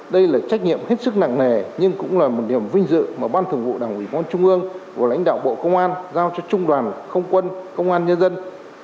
đây là trách nhiệm hết sức nặng nề nhưng cũng là một niềm vinh dự mà ban thường vụ đảng ủy quan trung ương và lãnh đạo bộ công an giao cho trung đoàn không quân công an nhân dân